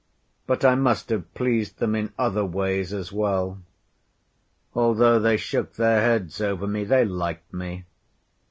But I must have pleased them in other ways as well. Although they shook their heads over me, they liked me.